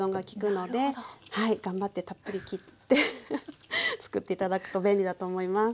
頑張ってたっぷり切って作って頂くと便利だと思います。